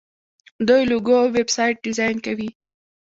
دوی لوګو او ویب سایټ ډیزاین کوي.